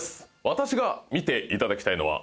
私が見ていただきたいのは。